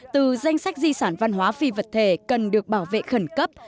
từ danh sách di sản văn hóa phi vật thể cần được bảo vệ khẩn cấp